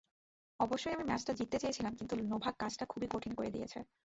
অবশ্যই আমি ম্যাচটা জিততে চেয়েছিলাম কিন্তু নোভাক কাজটা খুবই কঠিন করে দিয়েছে।